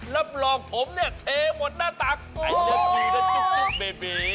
รับรองผมเนี่ยเทหมดหน้าตักไอเดียดีนะจุ๊กเบบี